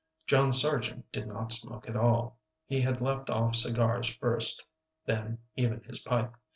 John Sargent did not smoke at all. He had left off cigars first, then even his pipe.